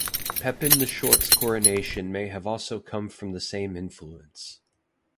Pepin the Short's coronation may have also come from the same influence.